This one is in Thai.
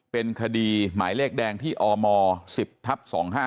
เป็นคดีหมายเลขแดงที่อม๑๐ทับ๒๕๕